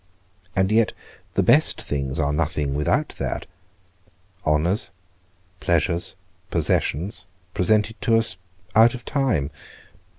and yet the best things are nothing without that. Honours, pleasures, possessions, presented to us out of time?